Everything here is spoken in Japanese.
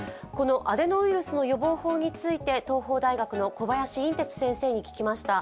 アデノウイルスの予防法について東邦大学の小林いんてつ先生に聞きました。